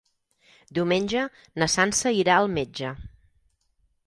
Diumenge na Sança irà al metge.